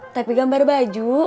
tapi gambar baju